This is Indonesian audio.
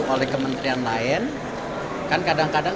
oleh kementerian lain kan kadang kadang